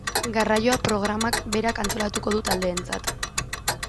Garraioa programak berak antolatuko du taldeentzat.